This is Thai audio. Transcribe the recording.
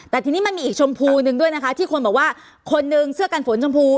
แต่ทีนี้มันมีอีกชมพูหนึ่งด้วยนะคะที่คนบอกว่าคนนึงเสื้อกันฝนชมพู